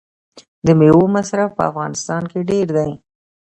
د میوو مصرف په افغانستان کې ډیر دی.